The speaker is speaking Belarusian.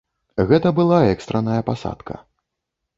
Гэта была экстранная пасадка.